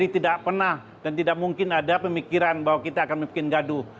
dan tidak pernah dan tidak mungkin ada pemikiran bahwa kita akan membuat gaduh